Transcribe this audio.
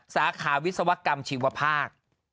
สาขาวิศวกรรมชีวภาค